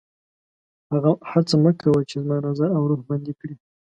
هڅه مه کوه چې زما نظر او روح بندي کړي